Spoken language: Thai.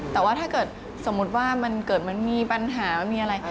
แต่ว่าถ้าเกิดสมมุติว่ามันเกิดมันมีปัญหามันมีอะไรคะ